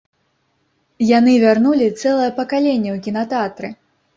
Яны вярнулі цэлае пакаленне ў кінатэатры.